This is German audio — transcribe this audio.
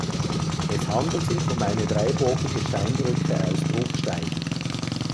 Es handelt sich um eine dreibogige Steinbrücke aus Bruchstein.